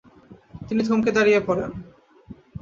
তিনি থমকে দাঁড়িয়ে পড়েন।